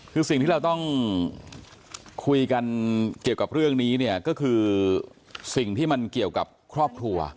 คือสิ่งที่เราต้องคุยกันเกี่ยวกับเรื่องนี้เนี่ยก็คือสิ่งที่มันเกี่ยวกับครอบครัว